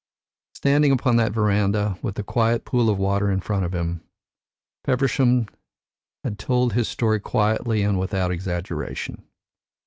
Standing upon that verandah, with the quiet pool of water in front of him, Feversham had told his story quietly and without exaggeration.